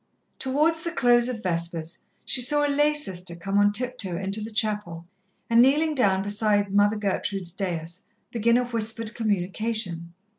Towards the close of Vespers she saw a lay sister come on tiptoe into the chapel, and kneeling down beside Mother Gertrude's daïs, begin a whispered communication.